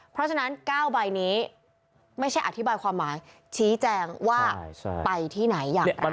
เพราะฉะนั้น๙ใบนี้ไม่ใช่อธิบายความหมายชี้แจงว่าไปที่ไหนอย่างไร